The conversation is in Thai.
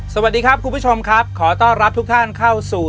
สวัสดีครับคุณผู้ชมครับขอต้อนรับทุกท่านเข้าสู่